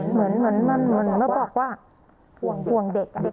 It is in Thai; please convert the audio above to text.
เหมือนเหมือนว่าบอกว่าห่วงห่วงเด็กอ่ะ